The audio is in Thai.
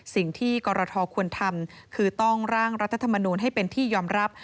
สิ่งที่กรทควรทำคือต้องร่างรัฐธรรมนูลให้เป็นที่ยอมรับ